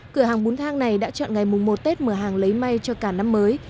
cửa hàng bốn thang này đã chọn ngày mùng một tết mở hàng lấy may cho cả năm mới